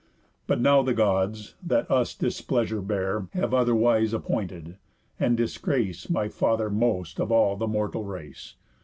But now the Gods, that us displeasure bear, Have otherwise appointed, and disgrace My father most of all the mortal race.